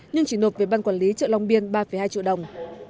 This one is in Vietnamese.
nhưng chỉ nộp về ban quản lý chợ long biên ba hai triệu đồng